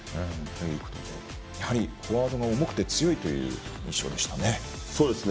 やはり、フォワードが重くて強いという印象でしたね。